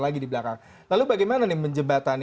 lagi di belakang lalu bagaimana menjembatan